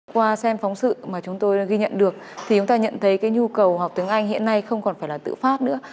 qua xem phóng sự mà chúng tôi ghi nhận được thì chúng ta nhận thấy cái nhu cầu học tiếng anh hiện nay không còn phải là tự phát nữa